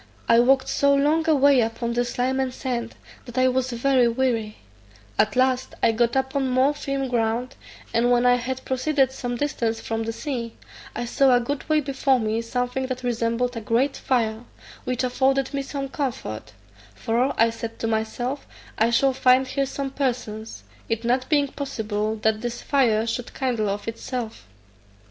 I walked so long a way upon the slime and sand that I was very weary: at last I got upon more firm ground, and when I had proceeded some distance from the sea, I saw a good way before me something that resembled a great fire, which afforded me some comfort; for I said to myself, I shall find here some persons, it not being possible that this fire should kindle of itself.